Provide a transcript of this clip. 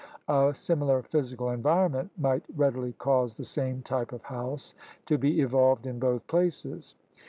A similar physical environment might readily cause the same type of house to be evolved in both places.